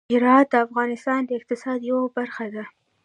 هرات د افغانستان د اقتصاد یوه برخه ده.